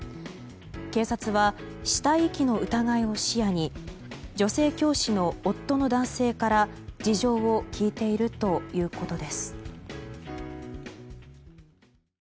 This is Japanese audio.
警察は、死体遺棄の疑いを視野に女性教師の夫の男性から事情を聴いているということです。